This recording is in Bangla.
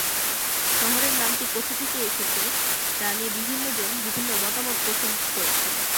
শহরের নামটি কোথা থেকে এসেছে তা নিয়ে বিভিন্ন জন বিভিন্ন মতামত পোষন করেছেন।